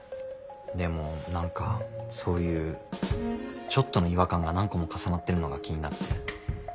でも何かそういうちょっとの違和感が何個も重なってるのが気になって。